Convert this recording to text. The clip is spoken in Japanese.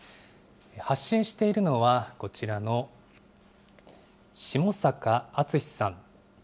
発信しているのは、こちらの下坂厚さん。